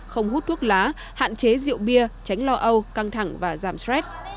không hút thuốc lá hạn chế rượu bia tránh lo âu căng thẳng và giảm stress